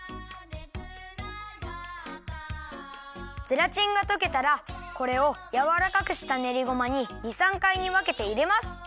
ゼラチンがとけたらこれをやわらかくしたねりごまに２３かいにわけていれます。